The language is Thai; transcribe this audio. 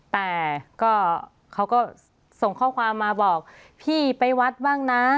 แต่ก็เขาก็ส่งข้อความมาบอกพี่ไปวัดบ้างนะ